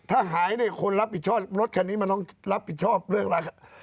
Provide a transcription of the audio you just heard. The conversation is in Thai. ถ้าหายเนี่ยคนรับผิดชอบรถคันนี้มันต้องรับผิดชอบเรื่องอะไร